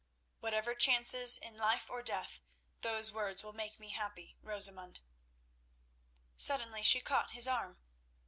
"Whatever chances, in life or death those words will make me happy, Rosamund." Suddenly she caught his arm.